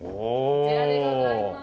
こちらでございます。